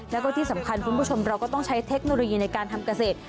แล้วก็ที่สำคัญคุณผู้ชมเราก็ต้องใช้เทคโนโลยีในการทำเกษตร